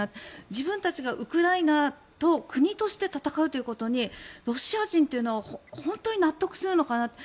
自分たちが、ウクライナと国として戦うということにロシア人は本当に納得するのかなと。